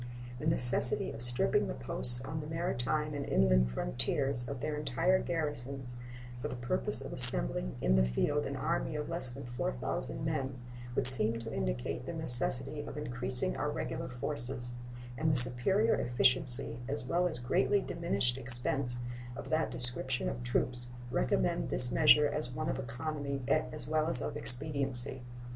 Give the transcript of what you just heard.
The necessity of stripping the posts on the maritime and inland frontiers of their entire garrisons for the purpose of assembling in the field an army of less than 4,000 men would seem to indicate the necessity of increasing our regular forces; and the superior efficiency, as well as greatly diminished expense of that description of troops, recommend this measure as one of economy as well as of expediency.